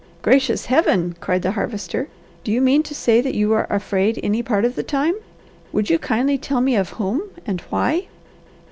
"Gracious Heaven!" cried the Harvester. "Do you mean to say that you are afraid any part of the time? Would you kindly tell me of whom, and why?"